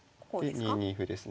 で２二歩ですね。